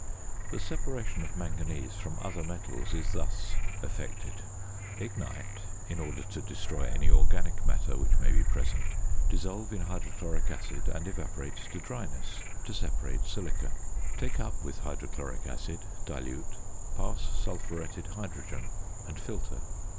The separation of manganese from other metals is thus effected: Ignite, in order to destroy any organic matter which may be present; dissolve in hydrochloric acid, and evaporate to dryness, to separate silica. Take up with hydrochloric acid, dilute, pass sulphuretted hydrogen, and filter.